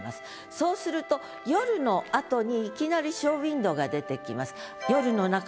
そうすると「夜」のあとにいきなり「ショウウインドウ」が出てきます。